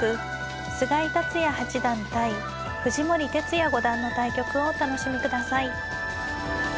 菅井竜也八段対藤森哲也五段の対局をお楽しみください。